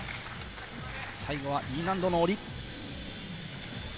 最後はＥ難度の下り。